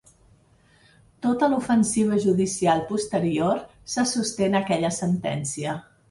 Tota l’ofensiva judicial posterior se sosté en aquella sentència.